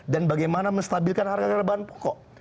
dan bagaimana menstabilkan harga harga bahan pokok